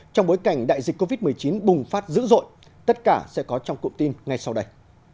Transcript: trong bối cảnh đại dịch covid một mươi chín bùng phát dữ dội tất cả sẽ có trong cụm tin ngay sau đây